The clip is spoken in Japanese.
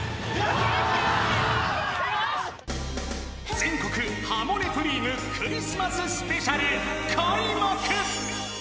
［『全国ハモネプリーグ』クリスマススペシャル］［開幕］